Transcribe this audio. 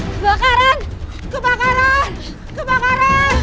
kebakaran kebakaran kebakaran